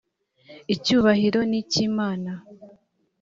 icyubahiro nicy’imana.